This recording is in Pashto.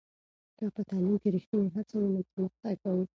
که په تعلیم کې ریښتینې هڅه وي، نو پرمختګ به وي.